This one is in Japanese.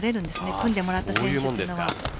組んでもらった選手というのは。